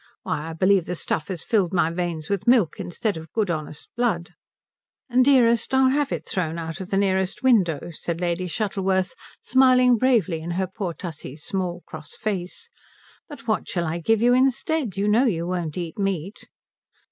Why, I believe the stuff has filled my veins with milk instead of good honest blood." "Dearest, I'll have it thrown out of the nearest window," said Lady Shuttleworth, smiling bravely in her poor Tussie's small cross face. "But what shall I give you instead? You know you won't eat meat."